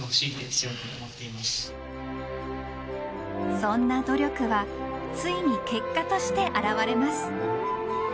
そんな努力はついに結果として表れます。